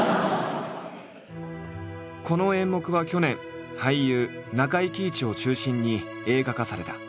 この演目は去年俳優中井貴一を中心に映画化された。